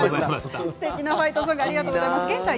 すてきなファイトソングありがとうございました。